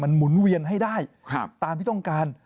หมุนเวียนให้ได้ตามที่ต้องการ